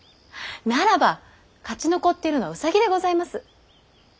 ならば勝ち残っているのは兎でございます。